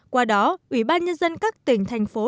qua đó ủy ban nhân dân các tỉnh thành phố